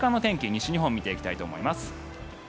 西日本見ていきたいと思います。